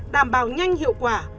đảm bảo nhanh hiệu quả